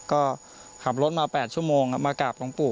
ก็ขับรถมา๘ชั่วโมงมากราบหลวงปู่